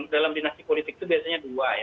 dalam dinasti politik itu biasanya dua ya